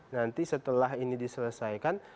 nanti setelah ini diselesaikan